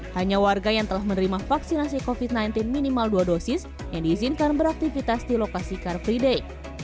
hanya warga yang telah menerima vaksinasi covid sembilan belas minimal dua dosis yang diizinkan beraktivitas di lokasi car free day